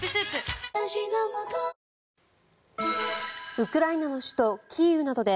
ウクライナの首都キーウなどで